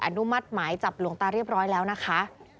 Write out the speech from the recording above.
อนุมัติหมายจับหลวงตาเรียบร้อยแล้วนะคะ